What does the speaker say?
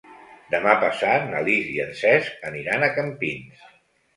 Demà passat na Lis i en Cesc aniran a Campins.